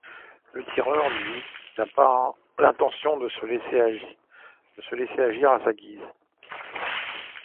Le tueur, lui, n'a pas l'intention de le laisser agir à sa guise...